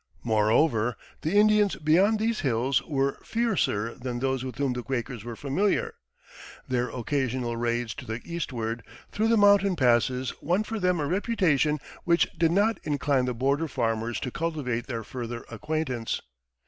Moreover, the Indians beyond these hills were fiercer than those with whom the Quakers were familiar; their occasional raids to the eastward, through the mountain passes, won for them a reputation which did not incline the border farmers to cultivate their further acquaintance.